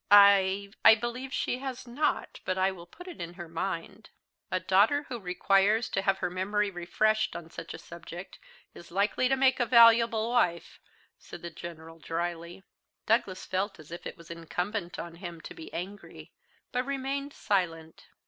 "I I believe she has not; but I will put her in mind." "A daughter who requires to have her memory refreshed on such a subject is likely to make a valuable wife!" said the General drily. Douglas felt as if it was incumbent on him to be angry, but remained silent.